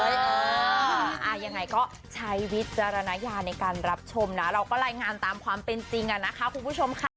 ยังไงก็ใช้วิจารณญาณในการรับชมนะเราก็รายงานตามความเป็นจริงอะนะคะคุณผู้ชมค่ะ